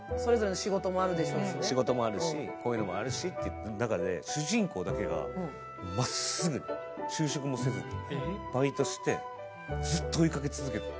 仕事もあるし、こういうのもあるしっていう、だけどね、主人公だけがまっすぐ就職もせずにバイトして、就職もせずにずっと追いかけてる。